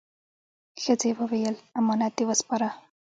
ښځه وویل: «امانت دې وسپاره؟»